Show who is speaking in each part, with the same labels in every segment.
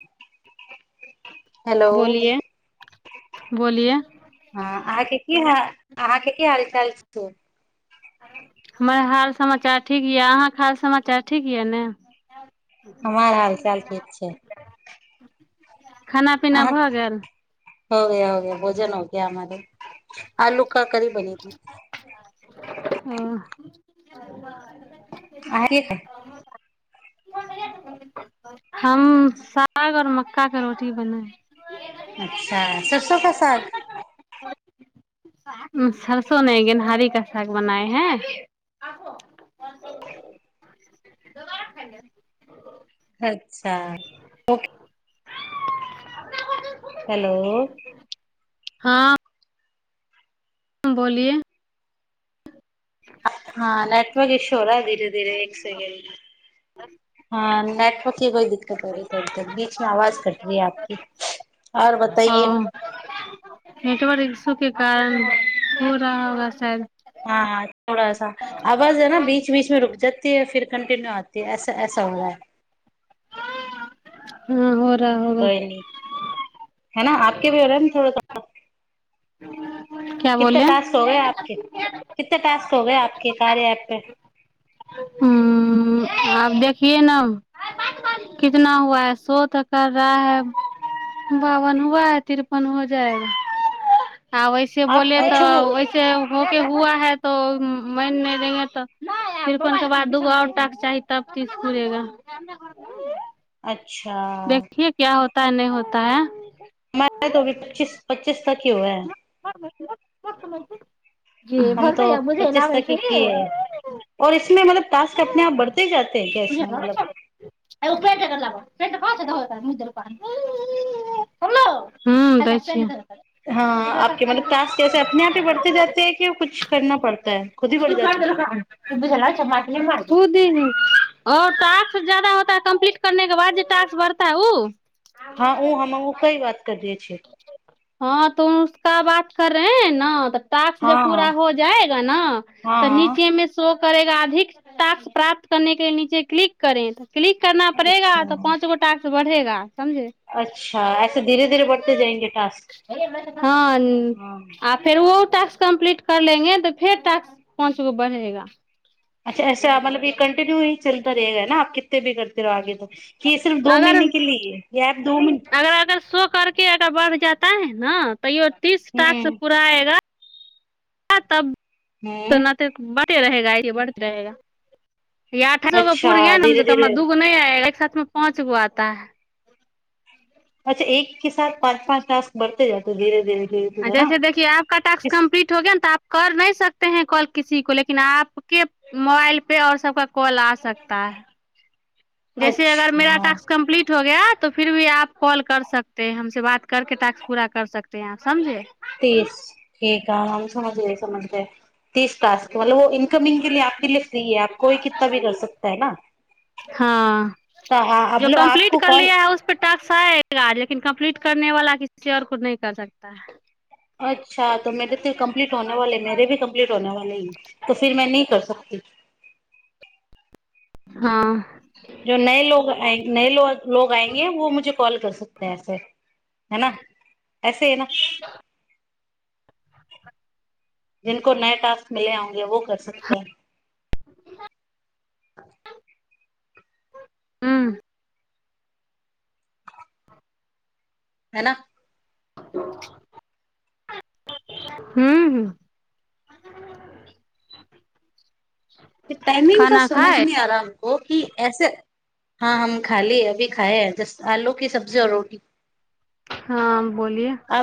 Speaker 1: [unintelligible] Hello
Speaker 2: बोलिए
Speaker 1: हँ अहाँके की हाल अहाँके की हाल चाल छै
Speaker 2: हमर हाल समाचार ठीक यै अहाँके हाल समाचार ठीक यै ने
Speaker 1: हमर हाल चाल ठीक छै
Speaker 2: खाना पीना
Speaker 1: अहाँ
Speaker 2: भऽ गेल
Speaker 1: हो गया हो गया भोजन हो गया मालिक आलु का कड़ी बनेली
Speaker 2: तरूआ हम साग और मक्का के रोटी बनाए
Speaker 1: अच्छा सरसो का साग
Speaker 2: सरसो नही गेनहारी का साग बनाए हैं
Speaker 1: अच्छा ओके हेलो
Speaker 2: हँ ह्म बोलिए
Speaker 1: ह नेटवर्क इश्यु हो रहा धीरे धीरे एक स सेकेण्ड हँ नेटवर्क कि कोई दि क्कत हो रही बीच मे आवाज कट रही है आपकी आओर
Speaker 2: ओ
Speaker 1: बताइए
Speaker 2: नेटवर्क इश्यु के कारण हो रहा होगा शायद
Speaker 1: हाँ थोड़ा सा आवाज है न बीच बीच में रुक जाती है फिर कंटिन्यू आती है ऐसा ऐसा हो रहा है
Speaker 2: हँ हो ता होगा
Speaker 1: कोई नहीं है न आपके भी हो रहा न थोड़ासा
Speaker 2: क्या बोले
Speaker 1: कितना टास्क हो गये आपके कार्य ऐप पे
Speaker 2: हँ आब देखिए न अब कितना हुआ है शो तो कर रहा है बावन हुआ है तिरपन हो जाएगा आ वैसे
Speaker 1: आप
Speaker 2: बोले
Speaker 1: अच्छा वो
Speaker 2: तऽ वैसे हो के हुआ है तो माइन नहि देंगे तऽ तिरपन के बाद दूगो और टास्क चाही तब तीस पूरेगा
Speaker 1: अच्छा
Speaker 2: ता नहि होता है
Speaker 1: हम अभी पच्चीस पच्चीस त की होये
Speaker 2: त [unintelligible]
Speaker 1: हम तो पच्चीस तक के किये है और
Speaker 2: छै
Speaker 1: इसमे मतलब टास्क अपने आप बढ़ते जाते हैं क्या इसमें मतलब
Speaker 2: उपर ट कर लब [unintelligible] [unintelligible] प पच हो मुर पानल
Speaker 1: हँ आपके मतलब टास्क ऐसे अपने आप बढ़े जाते है कि कुछ करना पड़त
Speaker 2: क दु चमापाती ल म ओ दीदीर ्क जाद होता ह कम्पलीट करने के बाद जे ्क बढ़ता है ओ
Speaker 1: हँ ह हम कई बात कर छै
Speaker 2: हँ तो उसक बात कर रहे है न तऽ त् जब
Speaker 1: हाँ
Speaker 2: पूरा हो जाएगा न
Speaker 1: हाँ
Speaker 2: तऽ
Speaker 1: हाँ
Speaker 2: नीचे मे शोोक करेगा अधिक्स प्राप्त करने के नीचे क्लिक करे तऽ क्लिक करना पड़ेगा तऽ
Speaker 1: अच्छा
Speaker 2: पाँंचगो टास्क बढ़ेगा
Speaker 1: अच्छा ऐसे धीरे धीरे बढ़त
Speaker 2: हँ
Speaker 1: हाँ
Speaker 2: आ फेर ओ ट्क कम्प्ली कर लेंगे तऽ फेर ट्स पाँच गो बढ़ेगा
Speaker 1: अच्छा ऐसा मतलब ई कटिन्यू ही चलता रहेगा न कते भी करैत रहो आगे त
Speaker 2: अगर
Speaker 1: महीने
Speaker 2: अगर अगर शो करके अगर बढ़ जाता है न तैयो तीस टास्क
Speaker 1: हम्म
Speaker 2: पूरा आएगा ह तब
Speaker 1: हम्म
Speaker 2: तना तऽ ब बे रहेगा य बढ़त रहेगा य अठ सो गो
Speaker 1: अच्छा
Speaker 2: पूुर ग
Speaker 1: धीरे
Speaker 2: ने क
Speaker 1: धीरे
Speaker 2: दूगो नहि एक साथ उमे पाँच गु आता ह
Speaker 1: अच्छा एक के साथ पाँच पाँच ास्क बरते जाते धीरे धीरे धीरे धीरे
Speaker 2: अच्छा
Speaker 1: ना
Speaker 2: अच्छा देखियि आपक ट्क
Speaker 1: इस
Speaker 2: कम्प्ली होया ने तऽ आ कर नहि सकतेै कॉल किसी को लेकिन आपके मोबाइल पे आऔर सबका कॉल आ सकता है जैसे अगर मेरा
Speaker 1: अच्छा
Speaker 2: टाास्क कम्प्ीट हो गया त फिर भी आप कॉल कर सकत है हमस बात करके टा्क पूरा कर सकत हैंप समझे
Speaker 1: तीस ठीक है हम समझ गए समझ गए तीस क्ास मतलब इनकमिंग के लिपके लि फ्री है आपको कितना भी कर सकता है न
Speaker 2: हाँ जो
Speaker 1: तऽल
Speaker 2: कंप्लीट
Speaker 1: आपको कॉल
Speaker 2: लिन कम्प्लीट करने वाला किस आऔर कु नहि कर सकता है
Speaker 1: अच्छा त मेर त कम्पलीट होने वाले मेे भी कम्प्ीट होने वाले ह त फर में नहि कर सकता [inaudible]
Speaker 2: हँ
Speaker 1: जो नए लोग आ न लोग आएंगे वो मुे कॉल कर सकतेै ऐस हना ऐसे ह न जिनको नए टाास्क मिले हउंगे वो कर सकत है [inaudible]
Speaker 2: हँ
Speaker 1: हेना
Speaker 2: ह्म ह
Speaker 1: टाइमिंग क समझ नहि आ रहा हमको ही ऐसे हँ हम खा ली अभी खाए है ज आलू क सब्जी और रोटी
Speaker 2: हँ
Speaker 1: आ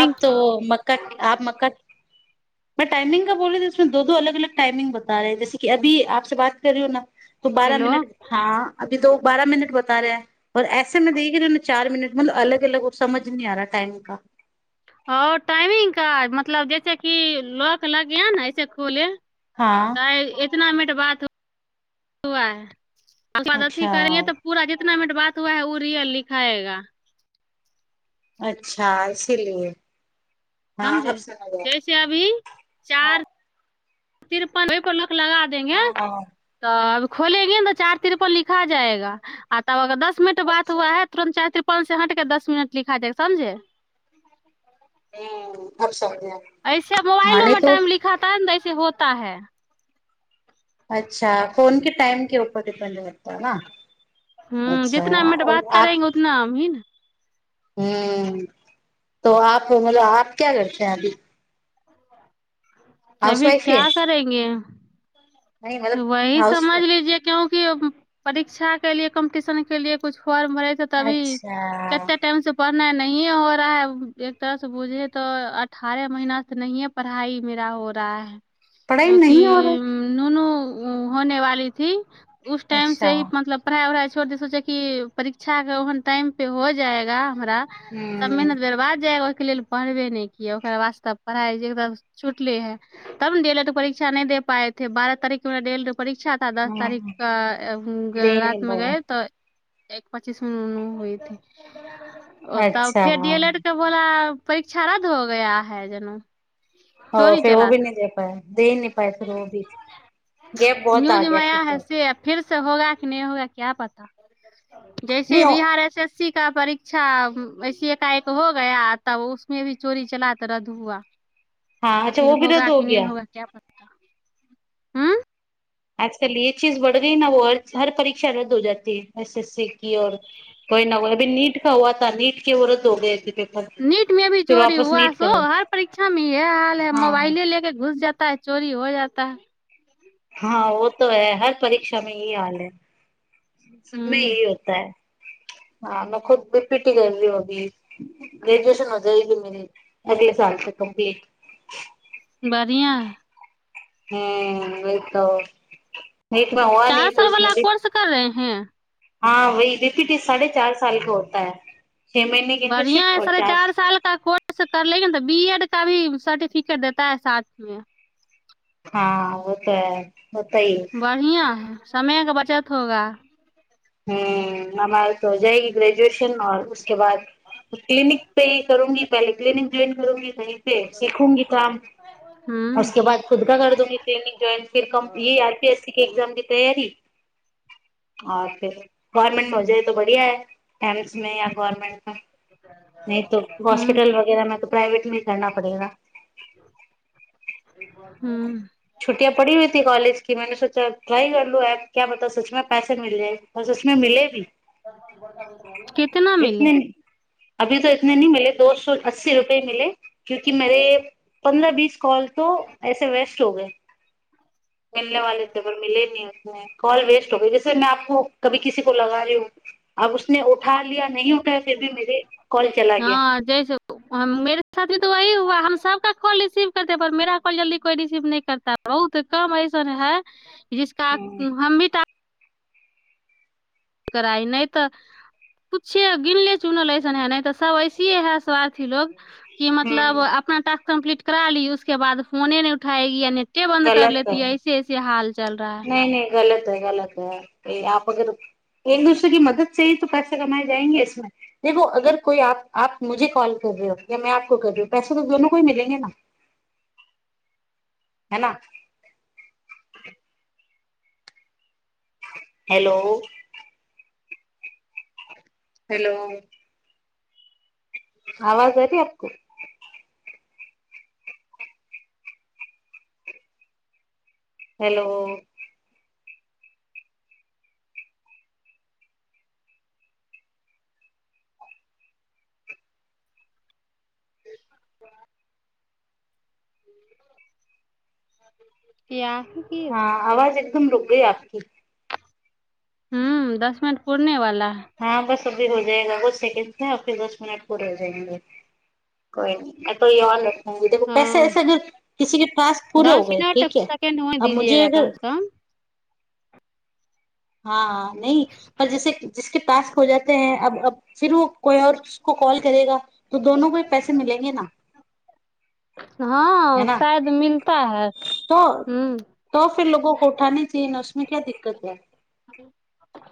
Speaker 1: आप तो मक्का आप मका मै टाइमिंग क बोल रही ती उसमे दो दो अलग अलग टाइमिंग बता रहेै जैसे कि अभी आपसँ बात कर रहीौ ना तू बारह
Speaker 2: हेलो
Speaker 1: मिनट हँ अभी तो बारह मिनट बता रहेै ऐसे मे देखी चार मिनट मतलब अलग अलग ओ समझ नहि आ रहा शानि क
Speaker 2: आओर टाइमिंग क मतलब जैस किी लऽ के लग य ने ऐसे कुल
Speaker 1: हाँ
Speaker 2: तऽ इतनामे बात हुआ है आ आदत ही
Speaker 1: अच्छा
Speaker 2: करेे तऽ पूरा जे कितना मिनट बात हुआ है ओ रियल लिखाएगा
Speaker 1: अच्छा इसीलिए हाँ अब
Speaker 2: समझे
Speaker 1: समझ आया
Speaker 2: जैसे अभी
Speaker 1: हाँ
Speaker 2: चार तिरपन लगा द देंगे
Speaker 1: हाँ हाँ
Speaker 2: तऽब खोलेंगे ने त चार तिरप लिखा जाएगा आ तब अगर दस दू मिनट बात
Speaker 1: अच्छा
Speaker 2: हआ है तुरन् चायत हट के दस मिन ला
Speaker 1: हूँ अच्छा
Speaker 2: ऐसे मोबाइलो मे टाइम लिखा त ने से होता है
Speaker 1: अच्छा फोन के टाइम के ऊपर डिपेंड रहता ने
Speaker 2: ह जितना मिनट बात करेंगे उतना हम ही ने
Speaker 1: ह तो आप मतलब आप क्या करते है अभी हाउस
Speaker 2: अभी
Speaker 1: वाइफ ही
Speaker 2: क्या
Speaker 1: है
Speaker 2: करेंगे
Speaker 1: नहीं मतलब
Speaker 2: वही
Speaker 1: हाउस
Speaker 2: समझ लीजे क्योंकि परीक्षा के लए कम्पटिशन के लिए कु फॉर्म रहे छै तभी
Speaker 1: अच्छा
Speaker 2: कते टाइम से पढ़ नहि ने हो रहा है एक तरह से बूझे तऽ अठारह महीना त नए पढ़ाई मेरा हो रहा है
Speaker 1: पढ़ाई
Speaker 2: क्योंकि
Speaker 1: नहीं हो रहा
Speaker 2: नूनू होने वाली थी उस
Speaker 1: है।
Speaker 2: टाइम
Speaker 1: अच्छा
Speaker 2: से ही मतलब पढ़ाइ वढ़ाइ छोड़ द सोचे क परीक्षा ओहन टाइम पे हो जाएगा हमरा त
Speaker 1: हम्म
Speaker 2: मनद बेर बाद जालग लेल पढ़बे नहि क ओकरा वास्ते पढ़ाई एक छुटले है तब नहि दे त परीक्षा नहि दे पाे हे बारह तारीख डेलड परीक्षा था दस तारीख
Speaker 1: हम्म
Speaker 2: क
Speaker 1: दे ही
Speaker 2: रात
Speaker 1: नहीं
Speaker 2: मे गए
Speaker 1: पाए
Speaker 2: तऽ एक पच्चीस तु होय ओ तब
Speaker 1: अच्छा
Speaker 2: फेर डी एल एड के बोला परीक्षा रद्द हो गया है जेना
Speaker 1: ह फेर ओ भी न दे पाय दे नी पाय फेर ओ भी गैप बहुत
Speaker 2: नियूज
Speaker 1: आ
Speaker 2: मे जो
Speaker 1: गया
Speaker 2: आया
Speaker 1: फिर
Speaker 2: है
Speaker 1: तो
Speaker 2: से फिर होगा कि नहि होगा क्या पता जैसे
Speaker 1: नहीं ओ-
Speaker 2: बिहार ऐस ऐस सी का परीक्षा वैसी एकाएक हो गया तब उसमे भी चोरी चला तऽ रद्द हुआ
Speaker 1: हँ
Speaker 2: आ
Speaker 1: अच्छा
Speaker 2: फिर
Speaker 1: ओ भी रद्द
Speaker 2: होगा
Speaker 1: हो
Speaker 2: कि नहीं
Speaker 1: गय
Speaker 2: होगा क्या पता हम्म
Speaker 1: आजकल ये चीज बढ़ गई न हर परीक्षा रद्द हो जाी एस एस सीी औ कोई न कोइ अभी नीट का हुआ त नीट के ओ रद्द हो गए पेपर
Speaker 2: नीट में भी
Speaker 1: फिर
Speaker 2: चोरी
Speaker 1: वापस
Speaker 2: हुआ
Speaker 1: नीट
Speaker 2: सो
Speaker 1: करो
Speaker 2: हर परीक्षा में यह हाल है
Speaker 1: हाँ
Speaker 2: मोबाइले लेके घुस जाता है चोरी हो जाता है
Speaker 1: हँ व तो है हर परीक्षा मे यह हाल है सबमे यही
Speaker 2: हम्म
Speaker 1: होता है हँ खुद बीपीटी करी अभी ग्रेजुएशन हो जाएगी अगले साल तक कम्पलीट
Speaker 2: बढ़िआँ हय
Speaker 1: हँ ओ तऽ
Speaker 2: चार साल वाला कोर्स करें हँ
Speaker 1: हँ वहीं रिपिटी साढ़े चार सालके होतै ता है छह महीने की
Speaker 2: बढ़िया
Speaker 1: इंटर्नशिप
Speaker 2: है
Speaker 1: और
Speaker 2: साढ़े चार साल का कोर्स कर ले ने तऽ बी एड का भी सर्टिफिकेट देता है साथ मे
Speaker 1: हँ ओ तऽ
Speaker 2: बढ़िआं है समयके बचत होगा
Speaker 1: हम्म हमारे हो जाएगी ग्रेजुएशन आओर उसके बाद क्लिनिक पे ही करूगीं पहिले क्लीनिक ज्वाइन करूंगी सीखूंगी काम
Speaker 2: हूँ
Speaker 1: उसके बाद खुद का कर दूंगी ट्रेनि ज्वाइन फिर क य आर पी एस सी के एग्जाम क तैयारी अछा गवर्नमेंट मे हो जाइ त बढ़िया है एम्स में या गवर्नमेंट नहि त
Speaker 2: हूँ
Speaker 1: हॉस्पिटल वगैरह मे त प्राइवेट मे करना पड़ेगा
Speaker 2: हू
Speaker 1: छुट्टिया पड़ी हइ ती कॉलज कि मैने सोचा ट्राई कर लु एप क्या मतलब सचमें पैसे मिल जाए बस उसमे मिले भी
Speaker 2: कितना मिले
Speaker 1: इतने अभी त इतने नी मिले दो सो अस्सी रुपए मिले क्यूंकि मेरे पन्द्रह बीस कॉल तो ऐसे वेस्ट हो गये मिलने वाले पर मिले नी उसमे कॉल वेस्ट हो गई जैसे मैं आपको कभी किसी को लगा रही हुं अब उसने उठा लिया न फिर भी मेरे कॉल चला गया
Speaker 2: साथी तो वही हुआ हम सबका कॉल रिसीव करते पर मेरा कॉल जल्दी कोइ रिसीव नहि करता बहुत कम ऐसन है जिसका
Speaker 1: हम्म
Speaker 2: हम भी टास्क कराइ नहि तऽ कुछे गिनले चुनल अऐसन है नहि तऽ सभ ऐसे है स्वार्थी लोग कि मतलब
Speaker 1: हम्म
Speaker 2: अपना कम्प्लीट करा ली उसके बाद फोने नहि उठएी अ ने बन्द कर ले है ऐसेऐे हाल चल रहा है
Speaker 1: नहीं नहीं गलत है गलत है आ अगर एक दोसरे क मदद से ही त पैसा कमाए जाएंगे इसमे देखो अगर कोईप मुे कॉल कर रहे हो या मैंपको कर पैसा त दोननो को ही मिलेंगे न है न हेलो हेलो आवाज आ रही आपको हेलो
Speaker 2: [unintelligible] किया
Speaker 1: हँ आवाज रूक गयी आपकी
Speaker 2: ह दस मिनट पूरने वाला है
Speaker 1: हँ बस हो जाएगा सेकंड मे फिर दस मिनट पूरे हो जायंगे कोइ देख पैसे
Speaker 2: हाँ
Speaker 1: ऐसे अगर किसी के पास पूे हो
Speaker 2: दस
Speaker 1: गए
Speaker 2: मिनट
Speaker 1: ठीक है
Speaker 2: सेकेंड होने
Speaker 1: अब मुझे
Speaker 2: दीजिएगा कम
Speaker 1: अगर
Speaker 2: से कम
Speaker 1: हँ न पर जैसे जिसके पास खो जाे है अब अब फिर ओ कोई आओर कॉल करेगा तो दोनों को ही पैसे मिलेंगे ना
Speaker 2: हँ
Speaker 1: है ना
Speaker 2: शायद मिलता है हूँ
Speaker 1: तो फिर लोगो को उठानी चाहिये न उसमे क्या दिक्कत है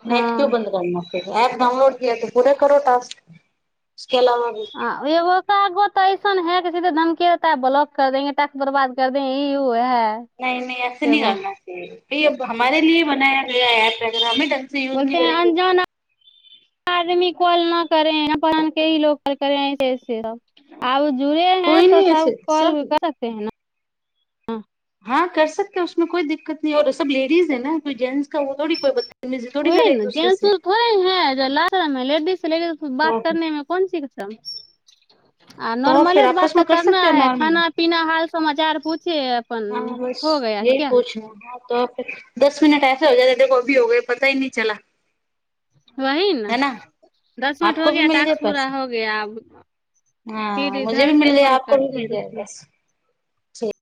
Speaker 1: नेट क्यो
Speaker 2: हाँ
Speaker 1: बंन्द करना ऐप डाउनलोड किया तऽ पूरा करो टास्क उसके अलावा भी
Speaker 2: एगो सन है कि सीधे धमकी रहता है बलॉक कर देंगे टास्क बर्बाद कर देंग ई य है
Speaker 1: नहि नहि ऐसे न
Speaker 2: एगो
Speaker 1: करना चाहिए हमारे लिए बनाय गया एप एकदम नहि टेशंन
Speaker 2: बोलते है अनजान आदमी कौल न करे है क करे है आब जुड़े हैं
Speaker 1: कोई
Speaker 2: तो
Speaker 1: नहीं
Speaker 2: सब
Speaker 1: ऐसे
Speaker 2: कॉल
Speaker 1: सब
Speaker 2: कर सकते है न हँ
Speaker 1: हँ कर सकते है इसमे कोई दिक्कत नहि आओर सब लेडीज है न
Speaker 2: वही
Speaker 1: एक
Speaker 2: ने को
Speaker 1: दूसरे
Speaker 2: जेंस
Speaker 1: से
Speaker 2: उन्स थोड़े हैं लाग लेडीज लेडीज बात करने मे कोन चीज कें शर्म आ
Speaker 1: तो
Speaker 2: नॉर्मले
Speaker 1: फिर
Speaker 2: त
Speaker 1: आपस
Speaker 2: बात
Speaker 1: में
Speaker 2: तऽ
Speaker 1: कर
Speaker 2: करना
Speaker 1: सकते हैं
Speaker 2: है
Speaker 1: नॉर्मली
Speaker 2: खाना पीना हाल समाचार पूछे अपन
Speaker 1: हँ बस
Speaker 2: हो गया
Speaker 1: ले
Speaker 2: क्या
Speaker 1: पहुछ हँ त दस मिनट ऐसे हो जाते देखो अभी हो गए पता ही नहि चला
Speaker 2: वही ने
Speaker 1: है ना
Speaker 2: दस मिनट हो
Speaker 1: आपको भी
Speaker 2: गया
Speaker 1: मिल गए
Speaker 2: टास्क पूरा
Speaker 1: पैसे
Speaker 2: हो गया फिर
Speaker 1: हाँ मुझे
Speaker 2: इधर
Speaker 1: भी
Speaker 2: से
Speaker 1: मिल
Speaker 2: कॉल करते है रुे
Speaker 1: से